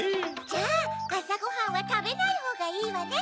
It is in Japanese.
じゃああさごはんはたべないほうがいいわね。